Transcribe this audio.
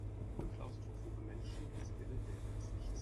Für klaustrophobe Menschen wie Sibylle wäre das nichts.